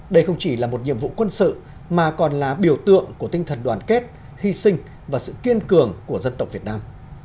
đây không chỉ là một nhiệm vụ quân sự mà còn là biểu tượng của tinh thần đoàn kết hy sinh và sự kiên cường của dân tộc việt nam